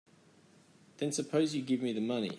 Then suppose you give me the money.